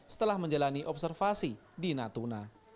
setelah menjalani observasi di natuna